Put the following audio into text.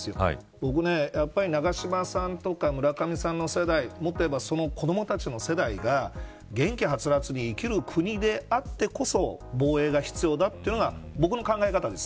僕やっぱり永島さんとか村上さんの世代もっといえばその子どもたちの世代が元気はつらつに生きる国であってこそ防衛が必要だというのが僕の考え方です。